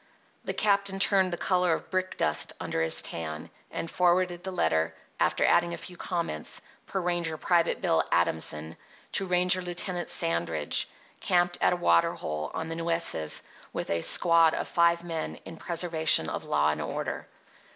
The captain turned the colour of brick dust under his tan, and forwarded the letter, after adding a few comments, per ranger Private Bill Adamson, to ranger Lieutenant Sandridge, camped at a water hole on the Nueces with a squad of five men in preservation of law and order.